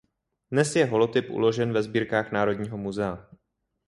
Dnes je holotyp uložen ve sbírkách Národního muzea.